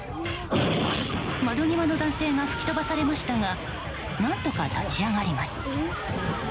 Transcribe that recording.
窓際の男性が吹き飛ばされましたが何とか立ち上がります。